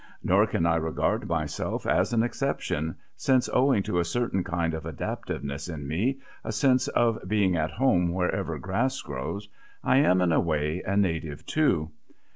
Nor can I regard myself as an exception, since, owing to a certain kind of adaptiveness in me, a sense of being at home wherever grass grows, I am in a way a native too.